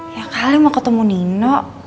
ya kali mau ketemu nino